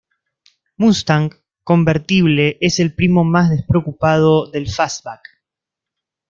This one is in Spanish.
Mustang convertible es el primo más despreocupado del fastback.